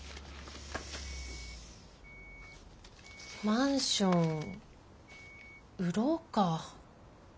マンション売ろうか。